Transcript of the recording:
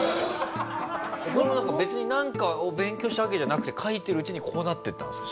これはなんか別になんかを勉強したわけじゃなくて描いてるうちにこうなっていったんですか？